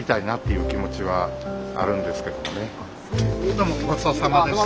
どうもごちそうさまでした。